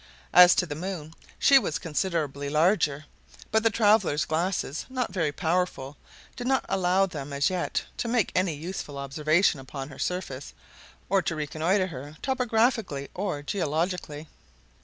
As to the moon, she was considerably larger; but the travelers' glasses, not very powerful, did not allow them as yet to make any useful observations upon her surface, or reconnoiter her topographically or geologically.